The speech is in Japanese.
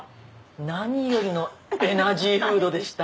何よりのエナジーフードでした。